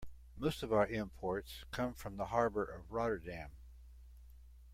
Most of our imports come from the harbor of Rotterdam.